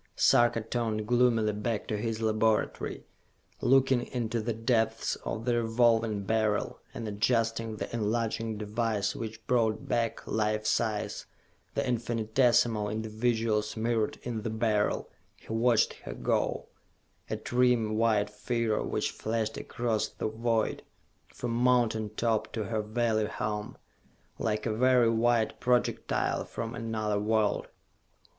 Sarka turned gloomily back to his laboratory. Looking into the depths of the Revolving Beryl and adjusting the enlarging device which brought back, life size, the infinitesmal individuals mirrored in the Beryl, he watched her go a trim white figure which flashed across the void, from mountain top to her valley home, like a very white projectile from another world.